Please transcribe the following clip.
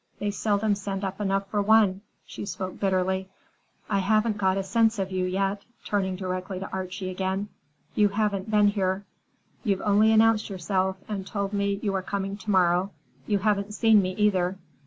They seldom send up enough for one,"—she spoke bitterly. "I haven't got a sense of you yet,"—turning directly to Archie again. "You haven't been here. You've only announced yourself, and told me you are coming to morrow. You haven't seen me, either.